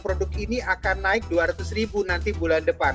produk ini akan naik dua ratus ribu nanti bulan depan